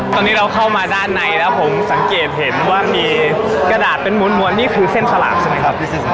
ตอนนี้เราเข้ามาด้านในแล้วผมสังเกตเห็นว่ามีกระดาษเป็นมวลนี่คือเส้นสลากใช่ไหมครับ